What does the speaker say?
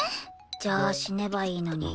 じゃあ死ねばいいのに。